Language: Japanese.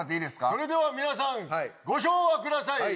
それでは皆さんご唱和ください。